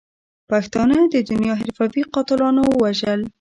پښتانه د دنیا حرفوي قاتلاتو وژل.